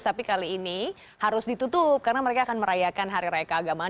tapi kali ini harus ditutup karena mereka akan merayakan hari raya keagamaan